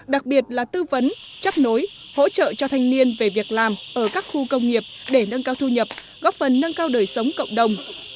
đặc biệt là tư vấn chấp nối hỗ trợ cho thanh niên về việc làm ở các khu công nghiệp để nâng cao thu nhập góp phần nâng cao đời sống cộng đồng